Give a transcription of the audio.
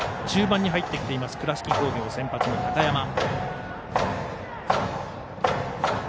中盤に入ってきています倉敷工業先発の高山。